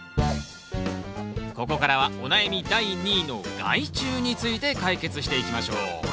ここからはお悩み第２位の害虫について解決していきましょう